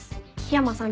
緋山さん